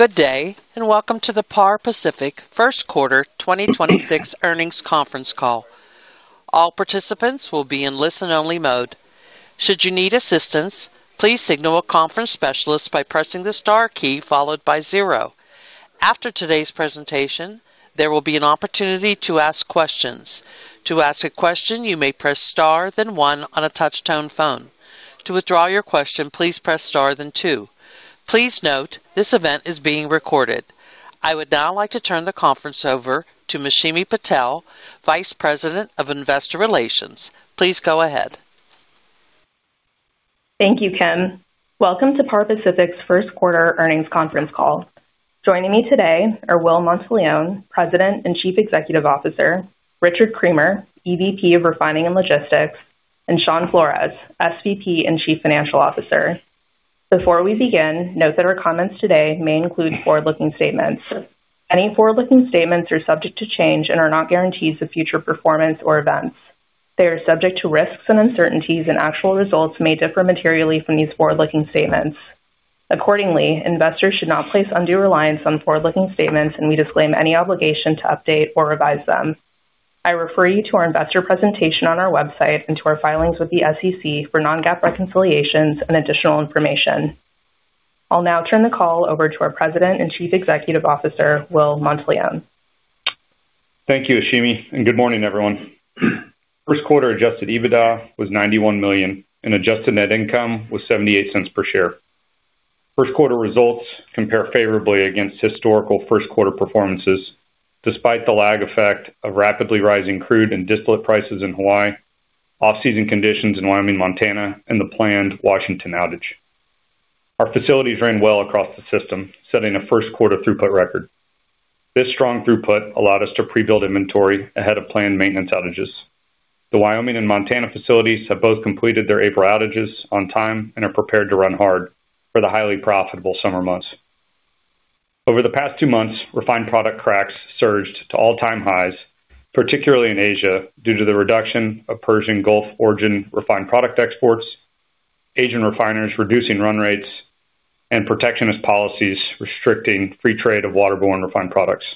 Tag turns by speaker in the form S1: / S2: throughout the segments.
S1: Good day, and welcome to the Par Pacific first quarter 2026 earnings conference call. All participants will be in listen-only mode. Should you need assistance, please signal a conference specialist by pressing the star key followed by zero. After today's presentation, there will be an opportunity to ask questions. To ask a question, you may press star, then one on a touch-tone phone. To withdraw your question, please press star then two. Please note, this event is being recorded. I would now like to turn the conference over to Ashimi Patel, Vice President of Investor Relations. Please go ahead.
S2: Thank you, Kim. Welcome to Par Pacific's first quarter earnings conference call. Joining me today are Will Monteleone, President and Chief Executive Officer, Richard Creamer, EVP of Refining and Logistics, and Shawn Flores, SVP and Chief Financial Officer. Before we begin, note that our comments today may include forward-looking statements. Any forward-looking statements are subject to change and are not guarantees of future performance or events. They are subject to risks and uncertainties, and actual results may differ materially from these forward-looking statements. Accordingly, investors should not place undue reliance on forward-looking statements, and we disclaim any obligation to update or revise them. I refer you to our investor presentation on our website and to our filings with the SEC for non-GAAP reconciliations and additional information. I'll now turn the call over to our President and Chief Executive Officer, Will Monteleone.
S3: Thank you, Ashimi, good morning, everyone. First quarter adjusted EBITDA was $91 million, and adjusted net income was $0.78 per share. First quarter results compare favorably against historical first-quarter performances, despite the lag effect of rapidly rising crude and distillate prices in Hawaii, off-season conditions in Wyoming, Montana, and the planned Washington outage. Our facilities ran well across the system, setting a first-quarter throughput record. This strong throughput allowed us to pre-build inventory ahead of planned maintenance outages. The Wyoming and Montana facilities have both completed their April outages on time and are prepared to run hard for the highly profitable summer months. Over the past two months, refined product cracks surged to all-time highs, particularly in Asia, due to the reduction of Persian Gulf origin refined product exports, Asian refiners reducing run rates, and protectionist policies restricting free trade of waterborne refined products.,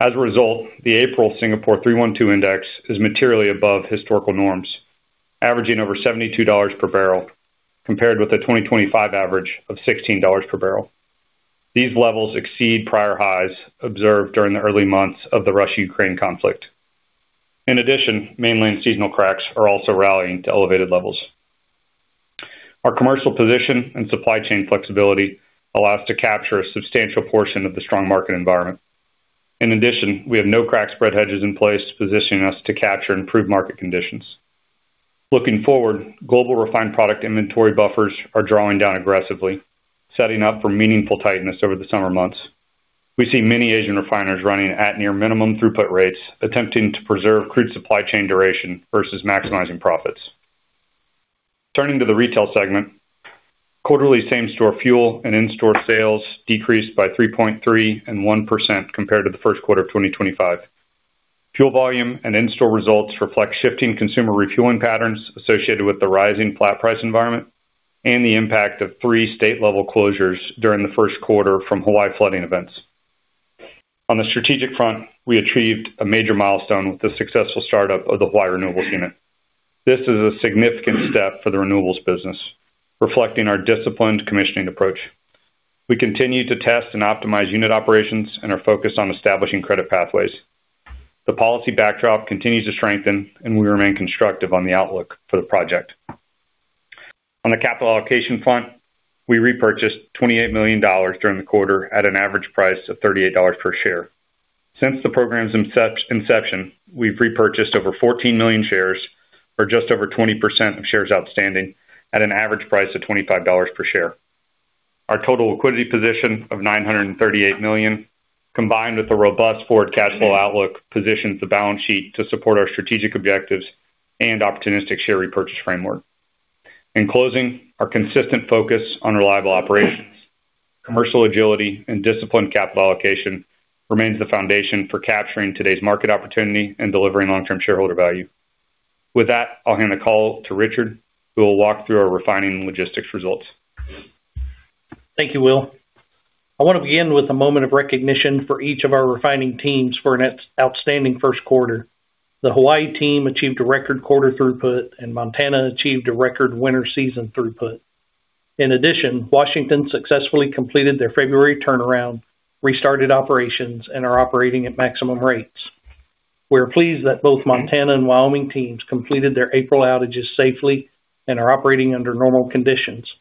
S3: As a result, the April Singapore 3-1-2 index is materially above historical norms, averaging over $72 per barrel, compared with the 2025 average of $16 per barrel. These levels exceed prior highs observed during the early months of the Russia-Ukraine conflict. In addition, mainland seasonal cracks are also rallying to elevated levels. Our commercial position and supply chain flexibility allow us to capture a substantial portion of the strong market environment. In addition, we have no crack spread hedges in place positioning us to capture improved market conditions. Looking forward, global refined product inventory buffers are drawing down aggressively, setting up for meaningful tightness over the summer months. We see many Asian refiners running at near minimum throughput rates, attempting to preserve crude supply chain duration versus maximizing profits. Turning to the Retail segment, quarterly same-store fuel and in-store sales decreased by 3.3% and 1% compared to the first quarter of 2025. Fuel volume and in-store results reflect shifting consumer refueling patterns associated with the rising flat price environment and the impact of three state-level closures during the first quarter from Hawaii flooding events. On the strategic front, we achieved a major milestone with the successful startup of the Hawaii Renewable unit. This is a significant step for the renewables business, reflecting our disciplined commissioning approach. We continue to test and optimize unit operations and are focused on establishing credit pathways. The policy backdrop continues to strengthen, and we remain constructive on the outlook for the project. On the capital allocation front, we repurchased $28 million during the quarter at an average price of $38 per share. Since the program's inception, we've repurchased over 14 million shares or just over 20% of shares outstanding at an average price of $25 per share. Our total liquidity position of $938 million, combined with a robust forward cash flow outlook, positions the balance sheet to support our strategic objectives and opportunistic share repurchase framework. In closing, our consistent focus on reliable operations, commercial agility, and disciplined capital allocation remains the foundation for capturing today's market opportunity and delivering long-term shareholder value. With that, I'll hand the call to Richard, who will walk through our refining and logistics results.
S4: Thank you, Will. I want to begin with a moment of recognition for each of our refining teams for an outstanding first quarter. The Hawaii team achieved a record quarter throughput, and Montana achieved a record winter season throughput. In addition, Washington successfully completed their February turnaround, restarted operations, and are operating at maximum rates. We are pleased that both Montana and Wyoming teams completed their April outages safely and are operating under normal conditions.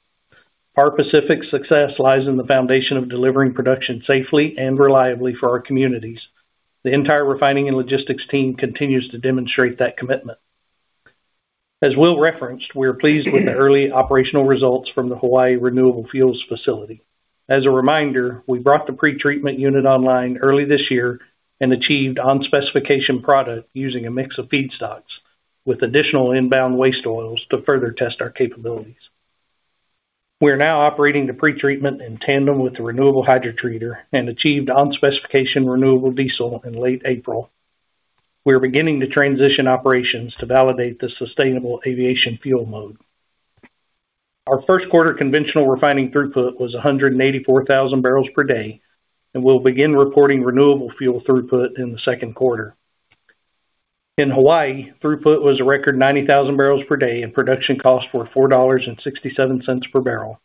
S4: Par Pacific's success lies in the foundation of delivering production safely and reliably for our communities. The entire Refining and Logistics team continues to demonstrate that commitment. As Will referenced, we are pleased with the early operational results from the Hawaii Renewable Fuels facility. As a reminder, we brought the pretreatment unit online early this year and achieved on-specification product using a mix of feedstocks, with additional inbound waste oils to further test our capabilities. We are now operating the pretreatment in tandem with the renewable hydrotreater and achieved on-specification renewable diesel in late April. We are beginning to transition operations to validate the sustainable aviation fuel mode. Our first quarter conventional refining throughput was 184,000 barrels per day, and we'll begin reporting renewable fuel throughput in the second quarter. In Hawaii, throughput was a record 90,000 barrels per day, and production costs were $4.67 per barrel.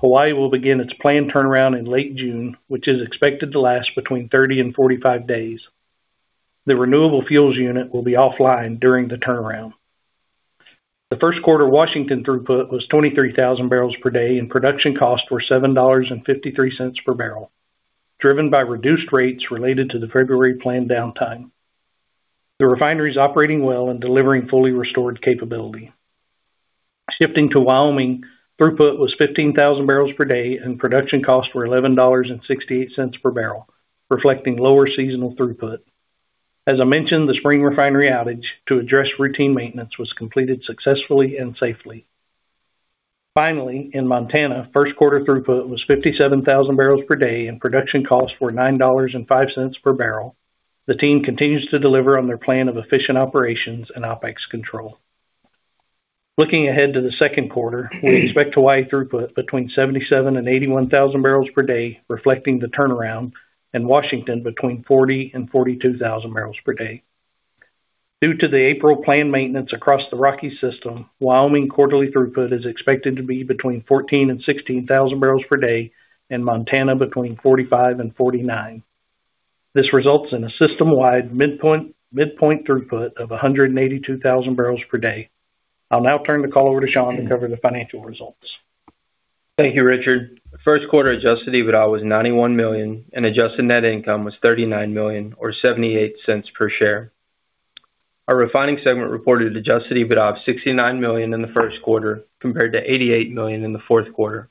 S4: Hawaii will begin its planned turnaround in late June, which is expected to last between 30 and 45 days. The renewable fuels unit will be offline during the turnaround. The first quarter Washington throughput was 23,000 barrels per day, and production costs were $7.53 per barrel, driven by reduced rates related to the February planned downtime. The refinery is operating well and delivering fully restored capability. Shifting to Wyoming, throughput was 15,000 barrels per day and production costs were $11.68 per barrel, reflecting lower seasonal throughput. As I mentioned, the spring refinery outage to address routine maintenance was completed successfully and safely. Finally, in Montana, first quarter throughput was 57,000 barrels per day and production costs were $9.05 per barrel. The team continues to deliver on their plan of efficient operations and OPEX control. Looking ahead to the second quarter, we expect Hawaii throughput between 77,000-81,000 barrels per day, reflecting the turnaround in Washington between 40,000-42,000 barrels per day. Due to the April planned maintenance across the Rocky Mountain region, Wyoming quarterly throughput is expected to be between 14,000-16,000 barrels per day, and Montana between 45,000-49,000. This results in a system-wide midpoint throughput of 182,000 barrels per day. I'll now turn the call over to Shawn to cover the financial results.
S5: Thank you, Richard. First quarter adjusted EBITDA was $91 million, and adjusted net income was $39 million or $0.78 per share. Our refining segment reported adjusted EBITDA of $69 million in the first quarter compared to $88 million in the fourth quarter.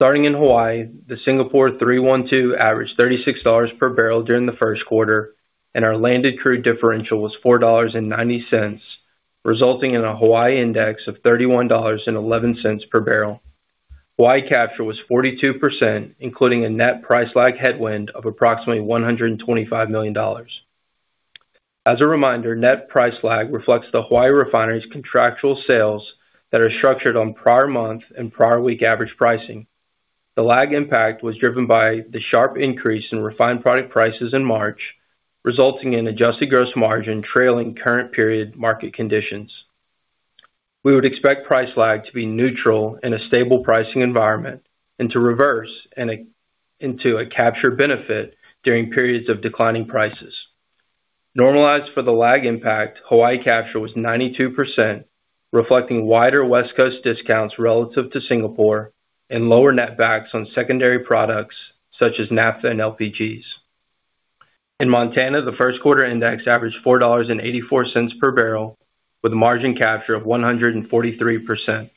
S5: Starting in Hawaii, the Singapore 3-1-2 averaged $36 per barrel during the first quarter, and our landed crude differential was $4.90, resulting in a Hawaii index of $31.11 per barrel. Hawaii capture was 42%, including a net price lag headwind of approximately $125 million. As a reminder, net price lag reflects the Hawaii refinery's contractual sales that are structured on prior month and prior week average pricing. The lag impact was driven by the sharp increase in refined product prices in March, resulting in adjusted gross margin trailing current period market conditions. We would expect price lag to be neutral in a stable pricing environment and to reverse into a capture benefit during periods of declining prices. Normalized for the lag impact, Hawaii capture was 92%, reflecting wider West Coast discounts relative to Singapore and lower net backs on secondary products such as naphtha and LPGs. In Montana, the first quarter index averaged $4.84 per barrel with a margin capture of 143%.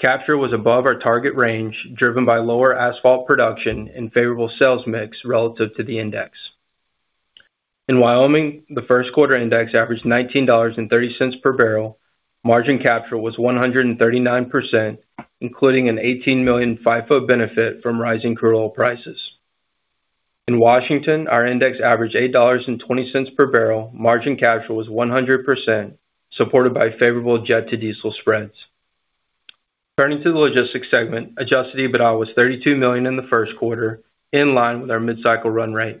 S5: Capture was above our target range, driven by lower asphalt production and favorable sales mix relative to the index. In Wyoming, the first quarter index averaged $19.30 per barrel. Margin capture was 139%, including an $18 million FIFO benefit from rising crude oil prices. In Washington, our index averaged $8.20 per barrel. Margin capture was 100%, supported by favorable jet to diesel spreads. Turning to the logistics segment, adjusted EBITDA was $32 million in the first quarter, in line with our mid-cycle run rate.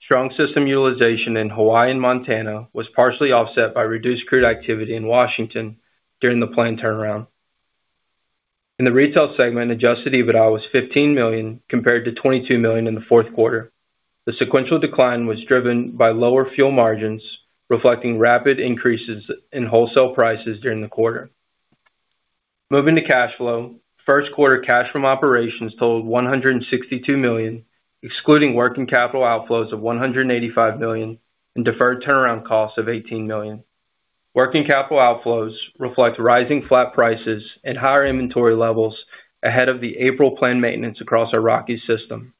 S5: Strong system utilization in Hawaii and Montana was partially offset by reduced crude activity in Washington during the planned turnaround. In the retail segment, adjusted EBITDA was $15 million compared to $22 million in the fourth quarter. The sequential decline was driven by lower fuel margins, reflecting rapid increases in wholesale prices during the quarter. Moving to cash flow. First quarter cash from operations totaled $162 million, excluding working capital outflows of $185 million and deferred turnaround costs of $18 million. Working capital outflows reflect rising flat prices at higher inventory levels ahead of the April planned maintenance across our Rocky Mountain region.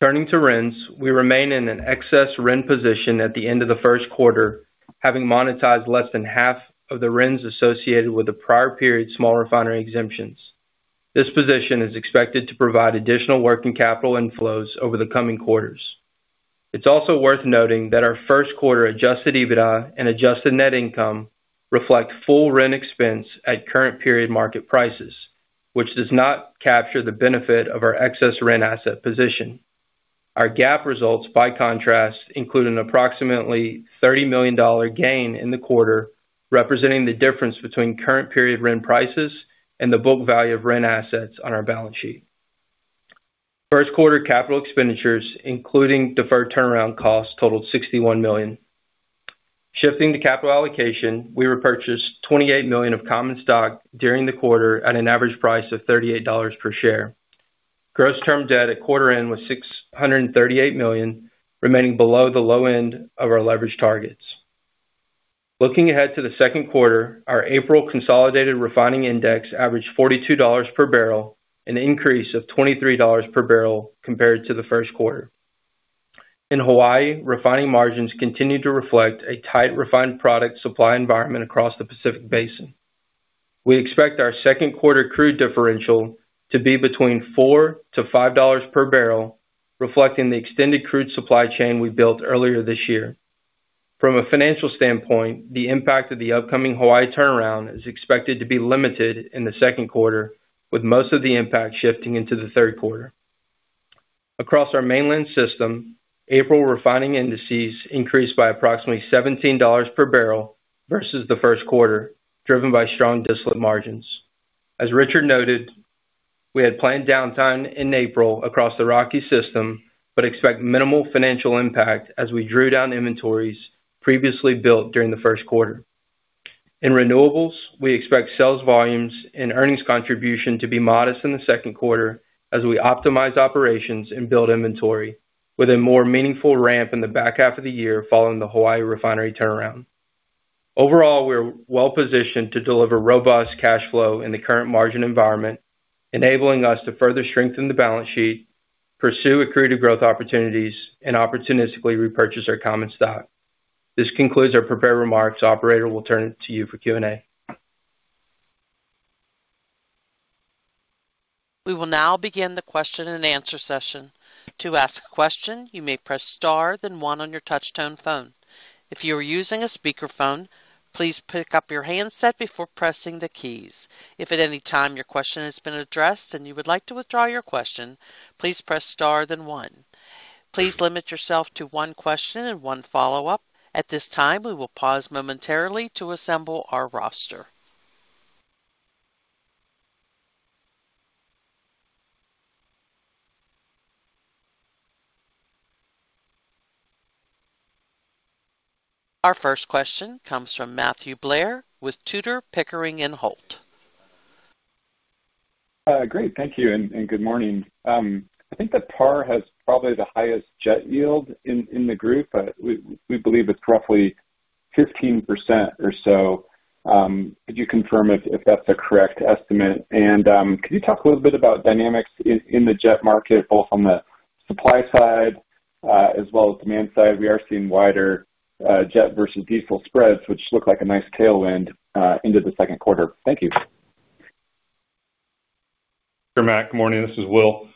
S5: Turning to RINs. We remain in an excess RIN position at the end of the first quarter, having monetized less than half of the RINs associated with the prior period small refinery exemptions. This position is expected to provide additional working capital inflows over the coming quarters. It's also worth noting that our first quarter adjusted EBITDA and adjusted net income reflect full RIN expense at current period market prices, which does not capture the benefit of our excess RIN asset position. Our GAAP results, by contrast, include an approximately $30 million gain in the quarter, representing the difference between current period RIN prices and the book value of RIN assets on our balance sheet. First quarter capital expenditures, including deferred turnaround costs totaling $61 million. Shifting to capital allocation, we repurchased $28 million of common stock during the quarter at an average price of $38 per share. Gross term debt at quarter end was $638 million, remaining below the low end of our leverage targets. Looking ahead to the second quarter, our April consolidated refining index averaged $42 per barrel, an increase of $23 per barrel compared to the first quarter. In Hawaii, refining margins continued to reflect a tight refined product supply environment across the Pacific basin. We expect our second quarter crude differential to be between $4-$5 per barrel, reflecting the extended crude supply chain we built earlier this year. From a financial standpoint, the impact of the upcoming Hawaii turnaround is expected to be limited in the second quarter, with most of the impact shifting into the third quarter. Across our mainland system, April refining indices increased by approximately $17 per barrel versus the first quarter, driven by strong distillate margins. As Richard noted, we had planned downtime in April across the Rocky System, but expect minimal financial impact as we drew down inventories previously built during the first quarter. In renewables, we expect sales volumes and earnings contribution to be modest in the second quarter as we optimize operations and build inventory with a more meaningful ramp in the back half of the year following the Hawaii refinery turnaround. Overall, we're well-positioned to deliver robust cash flow in the current margin environment, enabling us to further strengthen the balance sheet, pursue accretive growth opportunities, and opportunistically repurchase our common stock. This concludes our prepared remarks. Operator, we'll turn it to you for Q&A.
S1: We will now begin the question-and-answer session. Please limit yourself to one question and one follow-up. At this time, we will pause momentarily to assemble our roster. Our first question comes from Matthew Blair with Tudor, Pickering, Holt & Co.
S6: Great. Thank you, and good morning. I think that Par has probably the highest jet yield in the group. We believe it's roughly 15% or so. Could you confirm if that's a correct estimate? Could you talk a little bit about dynamics in the jet market, both on the supply side, as well as demand side? We are seeing wider jet versus diesel spreads, which look like a nice tailwind into the second quarter. Thank you.
S3: Sure, Matt. Good morning. This is Will.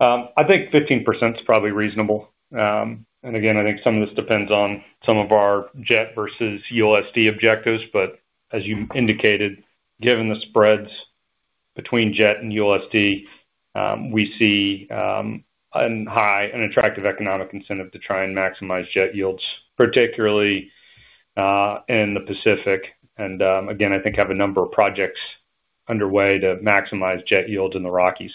S3: I think 15% is probably reasonable. Again, I think some of this depends on some of our jet versus ULSD objectives. As you indicated, given the spreads between jet and ULSD, we see a high and attractive economic incentive to try and maximize jet yields, particularly in the Pacific. Again, I think have a number of projects underway to maximize jet yields in the Rockies.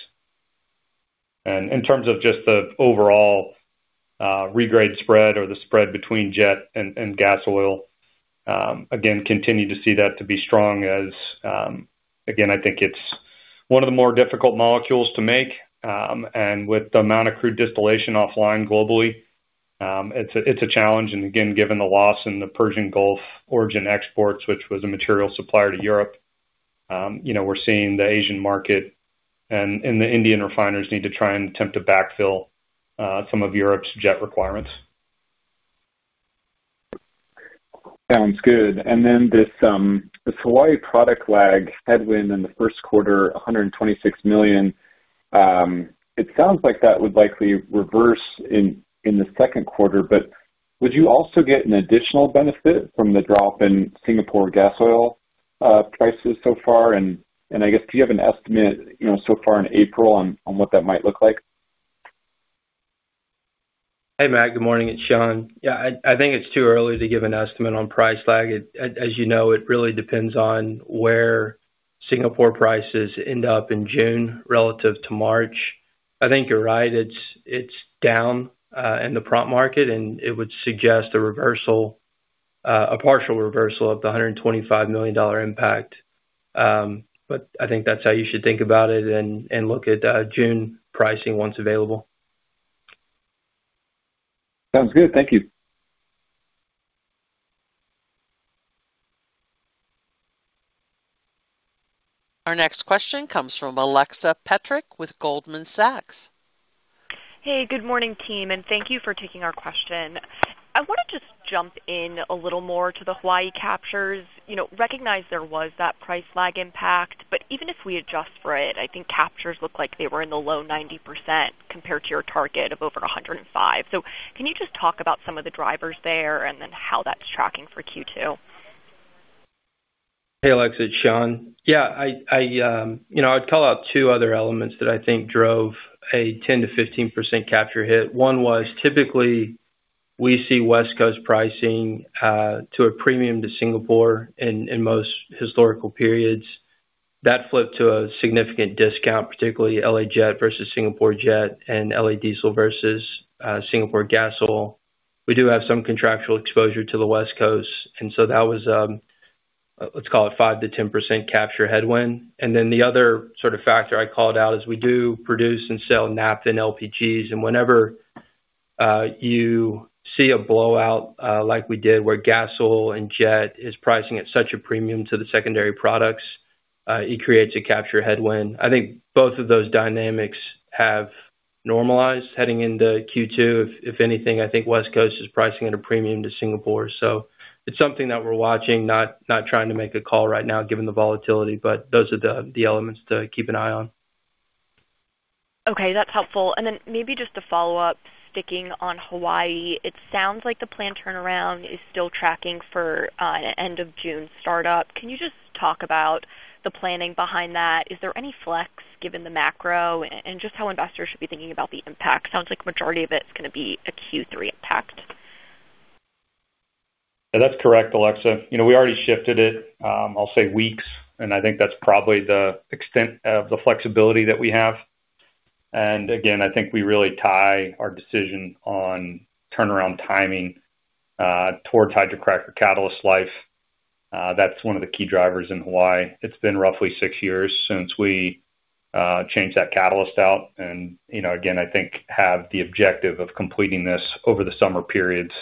S3: In terms of just the overall regrade spread or the spread between jet and gas oil, again, continue to see that to be strong as again, I think it's 1 of the more difficult molecules to make. With the amount of crude distillation offline globally, it's a challenge. Again, given the loss in the Persian Gulf origin exports, which was a material supplier to Europe, you know, we're seeing the Asian market and the Indian refiners need to try and attempt to backfill some of Europe's jet requirements.
S6: Sounds good. Then this Hawaii product lag headwind in the 1st quarter, $126 million, it sounds like that would likely reverse in the second quarter. Would you also get an additional benefit from the drop in Singapore gas oil prices so far? I guess, do you have an estimate, you know, so far in April on what that might look like?
S5: Hey, Matt. Good morning. It's Shawn. Yeah. I think it's too early to give an estimate on price lag. As you know, it really depends on where Singapore prices end up in June relative to March. I think you're right. It's down in the prompt market, and it would suggest a partial reversal of the $125 million impact. I think that's how you should think about it and look at June pricing once available.
S6: Sounds good. Thank you.
S1: Our next question comes from Alexa Petrick with Goldman Sachs.
S7: Hey, good morning, team, and thank you for taking our question. I wanna just jump in a little more to the Hawaii captures. You know, recognize there was that price lag impact. Even if we adjust for it, I think captures look like they were in the low 90% compared to your target of over 105%. Can you just talk about some of the drivers there and then how that's tracking for Q2?
S5: Hey, Alexa, it's Shawn Flores. Yeah. I, you know, I'd call out two other elements that I think drove a 10%-15% capture hit. One was, typically, we see West Coast pricing to a premium to Singapore in most historical periods. That flipped to a significant discount, particularly L.A. jet versus Singapore jet and L.A. diesel versus Singapore gas oil. We do have some contractual exposure to the West Coast, that was, let's call it 5%-10% capture headwind. The other sort of factor I called out is we do produce and sell naphtha LPGs. Whenever you see a blowout, like we did where gas oil and jet is pricing at such a premium to the secondary products, it creates a capture headwind. I think both of those dynamics have- Normalize heading into Q2. If anything, I think West Coast is pricing at a premium to Singapore. It's something that we're watching, not trying to make a call right now given the volatility, but those are the elements to keep an eye on.
S7: Okay. That's helpful. Maybe just a follow-up. Sticking on Hawaii, it sounds like the plant turnaround is still tracking for end of June startup. Can you just talk about the planning behind that? Is there any flex given the macro and just how investors should be thinking about the impact? Sounds like majority of it's going to be a Q3 impact.
S3: That's correct, Alexa. You know, we already shifted it, I'll say, weeks, I think that's probably the extent of the flexibility that we have. Again, I think we really tie our decision on turnaround timing towards hydrocracker catalyst life. That's one of the key drivers in Hawaii. It's been roughly six years since we changed that catalyst out, you know, again, I think have the objective of completing this over the summer periods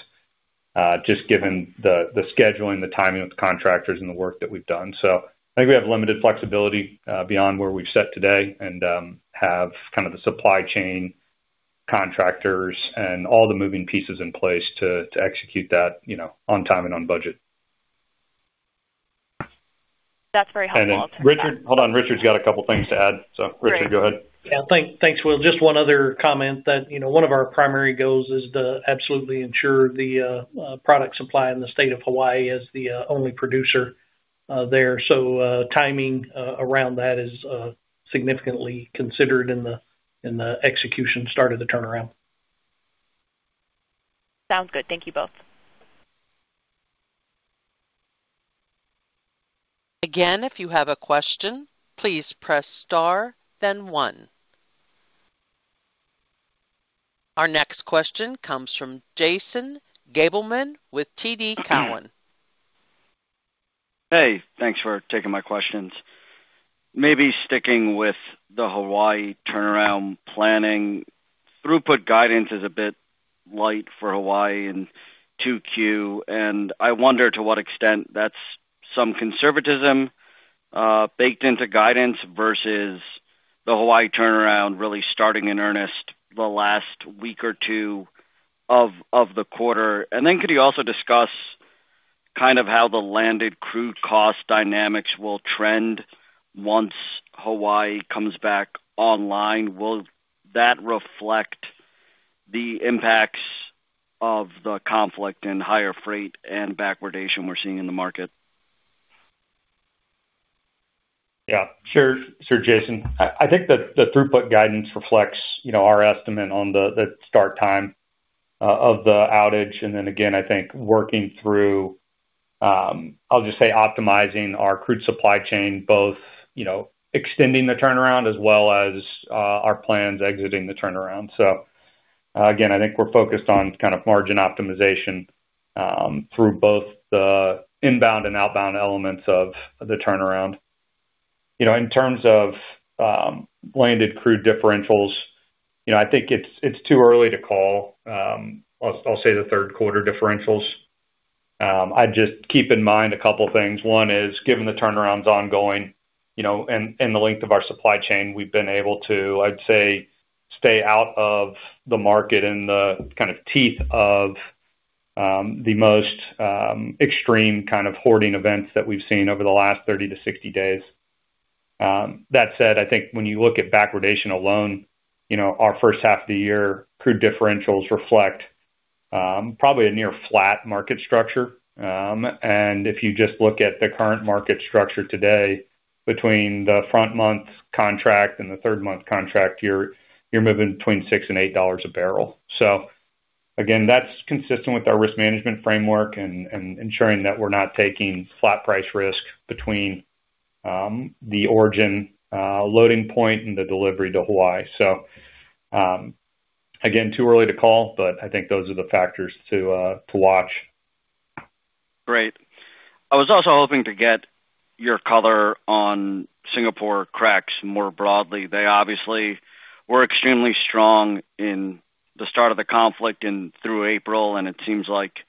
S3: just given the scheduling, the timing with the contractors and the work that we've done. I think we have limited flexibility beyond where we've set today, have kind of the supply chain contractors and all the moving pieces in place to execute that, you know, on time and on budget.
S7: That's very helpful.
S3: Richard's got a couple things to add.
S7: Great.
S3: Richard, go ahead.
S4: Yeah. Thanks, Will. One other comment that, you know, one of our primary goals is to absolutely ensure the product supply in the state of Hawaii as the only producer there. Timing around that is significantly considered in the execution start of the turnaround.
S7: Sounds good. Thank you both.
S1: Again, if you have a question, please press star then one. Our next question comes from Jason Gabelman with TD Cowen.
S8: Hey. Thanks for taking my questions. Maybe sticking with the Hawaii turnaround planning. Throughput guidance is a bit light for Hawaii in 2Q, and I wonder to what extent that's some conservatism baked into guidance versus the Hawaii turnaround really starting in earnest the last week or two of the quarter. Could you also discuss kind of how the landed crude cost dynamics will trend once Hawaii comes back online. Will that reflect the impacts of the conflict and higher freight and backwardation we're seeing in the market?
S3: Yeah. Sure, sure, Jason. I think the throughput guidance reflects, you know, our estimate on the start time of the outage. Again, I think working through, I'll just say optimizing our crude supply chain, both, you know, extending the turnaround as well as our plans exiting the turnaround. Again, I think we're focused on kind of margin optimization through both the inbound and outbound elements of the turnaround. You know, in terms of landed crude differentials, you know, I think it's too early to call, I'll say the third quarter differentials. I'd just keep in mind two things. One is, given the turnaround's ongoing, you know, and the length of our supply chain, we've been able to, I'd say, stay out of the market in the kind of teeth of the most extreme kind of hoarding events that we've seen over the last 30-60 days. That said, I think when you look at backwardation alone, you know, our first half of the year crude differentials reflect probably a near flat market structure. If you just look at the current market structure today, between the front month contract and the third-month contract, you're moving between $6 and $8 a barrel. Again, that's consistent with our risk management framework and ensuring that we're not taking flat price risk between the origin loading point and the delivery to Hawaii. Again, too early to call, but I think those are the factors to watch.
S8: Great. I was also hoping to get your color on Singapore cracks more broadly. They obviously were extremely strong in the start of the conflict and through April, it seems like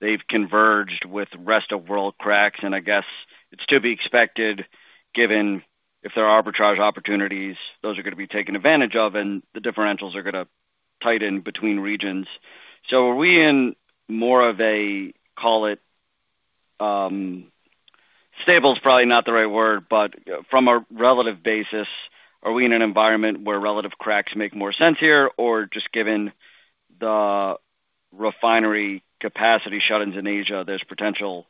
S8: they've converged with rest of world cracks. I guess it's to be expected given if there are arbitrage opportunities, those are gonna be taken advantage of and the differentials are gonna tighten between regions. Are we in more of a, call it, Stable is probably not the right word, but from a relative basis, are we in an environment where relative cracks make more sense here? Or just given the refinery capacity shut-ins in Asia, there's potential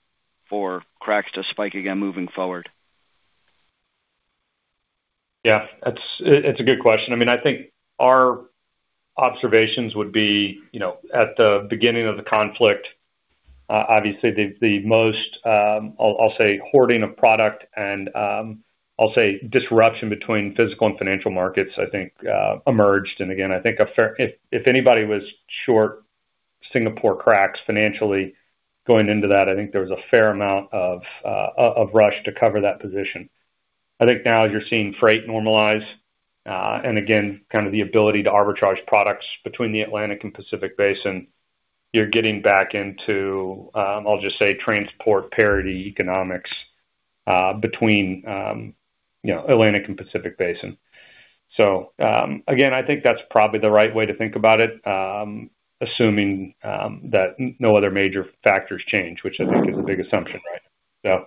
S8: for cracks to spike again moving forward?
S3: Yeah. It's a good question. I mean, I think our observations would be, you know, at the beginning of the conflict, obviously the most, I'll say, hoarding of product and, I'll say disruption between physical and financial markets, I think, emerged. Again, I think if anybody was short Singapore cracks financially going into that, I think there was a fair amount of rush to cover that position. I think now as you're seeing freight normalize, and again, kind of the ability to arbitrage products between the Atlantic and Pacific basin, you're getting back into, I'll just say, transport parity economics. Between, you know, Atlantic and Pacific basin. Again, I think that's probably the right way to think about it, assuming that no other major factors change, which I think is a big assumption, right?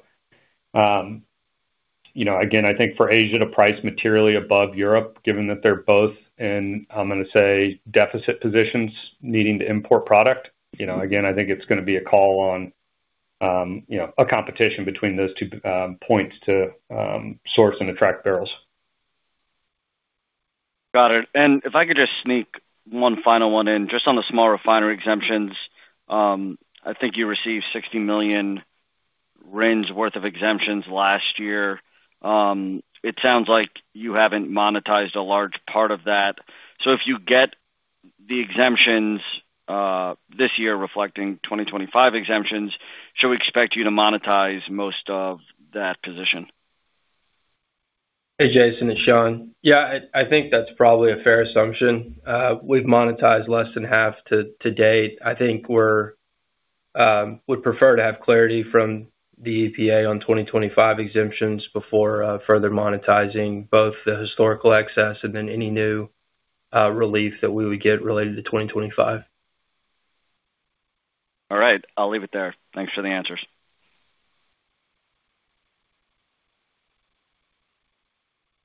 S3: You know, again, I think for Asia to price materially above Europe, given that they're both in, I'm gonna say, deficit positions needing to import product, you know, again, I think it's gonna be a call on, you know, a competition between those two points to source and attract barrels.
S8: Got it. If I could just sneak one final one in. Just on the small refinery exemptions, I think you received 60 million RINs worth of exemptions last year. It sounds like you haven't monetized a large part of that. If you get the exemptions, this year reflecting 2025 exemptions, should we expect you to monetize most of that position?
S5: Hey, Jason, it's Shawn. Yeah, I think that's probably a fair assumption. We've monetized less than half to date. I think we would prefer to have clarity from the EPA on 2025 exemptions before further monetizing both the historical excess and then any new relief that we would get related to 2025.
S8: All right, I'll leave it there. Thanks for the answers.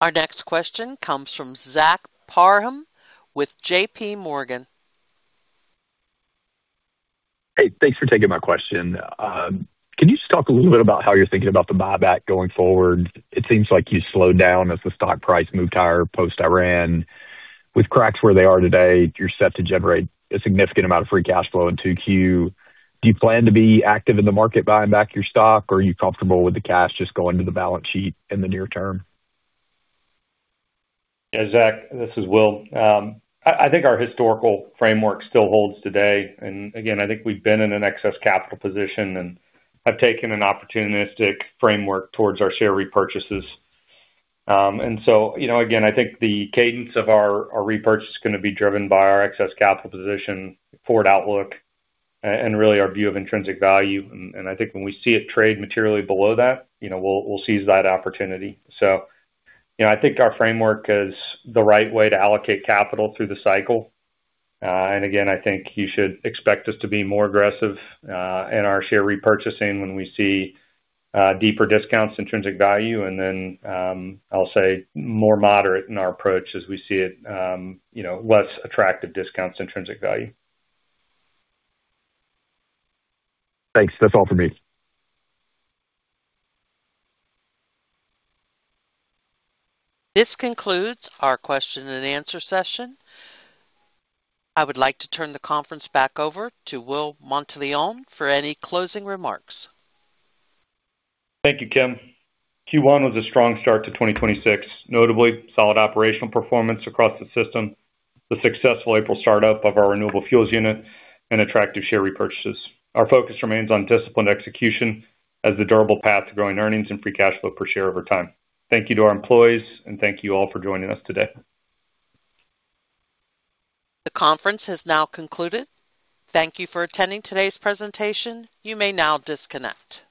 S1: Our next question comes from Zach Parham with JPMorgan.
S9: Hey, thanks for taking my question. Can you just talk a little bit about how you're thinking about the buyback going forward? It seems like you slowed down as the stock price moved higher post-Iran. With cracks where they are today, you're set to generate a significant amount of free cash flow in 2Q. Do you plan to be active in the market buying back your stock, or are you comfortable with the cash just going to the balance sheet in the near term?
S3: Yeah, Zach, this is Will. I think our historical framework still holds today. I think we've been in an excess capital position, and I've taken an opportunistic framework towards our share repurchases. You know, again, I think the cadence of our repurchase is gonna be driven by our excess capital position, forward outlook, and really our view of intrinsic value. I think when we see it trade materially below that, you know, we'll seize that opportunity. You know, I think our framework is the right way to allocate capital through the cycle. Again, I think you should expect us to be more aggressive in our share repurchasing when we see deeper discounts, intrinsic value, and then, I'll say more moderate in our approach as we see it, you know, less attractive discounts, intrinsic value.
S9: Thanks. That's all for me.
S1: This concludes our question and answer session. I would like to turn the conference back over to Will Monteleone for any closing remarks.
S3: Thank you, Kim. Q1 was a strong start to 2026, notably solid operational performance across the system, the successful April start of our renewable fuels unit, and attractive share repurchases. Our focus remains on disciplined execution as the durable path to growing earnings and free cash flow per share over time. Thank you to our employees, and thank you all for joining us today.
S1: The conference has now concluded. Thank you for attending today's presentation. You may now disconnect.